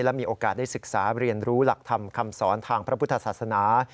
และมีโอกาสได้ศึกษาเรียนรู้หลักธรรมคำสอนทางพระพุทธศาสนา